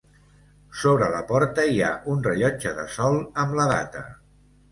Sobre la porta hi ha un rellotge de sol amb la data.